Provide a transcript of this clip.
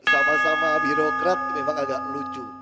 sama sama birokrat memang agak lucu